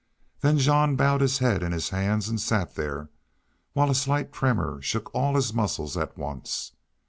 Then Jean bowed his head in his hands, and sat there, while a slight tremor shook all his muscles at once.